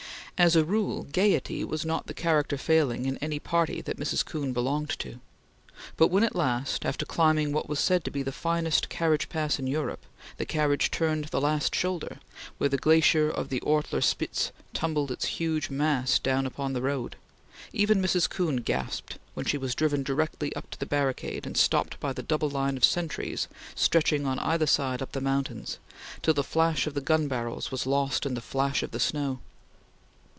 As a rule, gaiety was not the character failing in any party that Mrs. Kuhn belonged to, but when at last, after climbing what was said to be the finest carriage pass in Europe, the carriage turned the last shoulder, where the glacier of the Ortler Spitze tumbled its huge mass down upon the road, even Mrs. Kuhn gasped when she was driven directly up to the barricade and stopped by the double line of sentries stretching on either side up the mountains, till the flash of the gun barrels was lost in the flash of the snow.